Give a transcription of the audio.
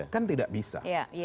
kan tidak bisa